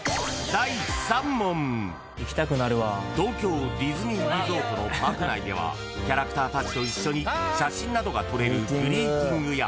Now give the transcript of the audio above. ［東京ディズニーリゾートのパーク内ではキャラクターたちと一緒に写真などが撮れる］